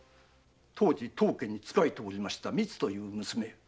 当時当家に仕えておりました「みつ」という娘